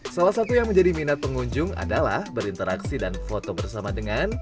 salah satu yang menjadi minat pengunjung adalah berinteraksi dan foto bersama dengan